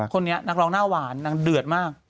คนนี้นักร้องหน้าหวานนางเดือดมาก